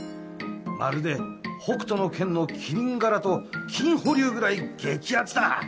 まるで北斗の拳のキリン柄と金保留ぐらい激アツだ！